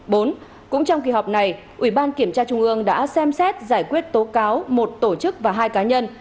bốn cũng trong kỳ họp này ủy ban kiểm tra trung ương đã xem xét giải quyết tố cáo một tổ chức và hai cá nhân